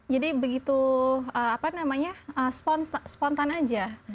jadi begitu apa namanya spontan aja